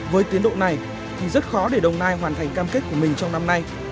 với tiến độ này thì rất khó để đồng nai hoàn thành cam kết của mình trong năm nay